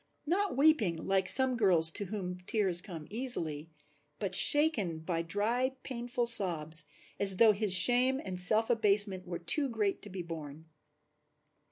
Not weeping like some girls to whom tears come easily, but shaken by dry painful sobs, as though his shame and self abasement were too great to be borne.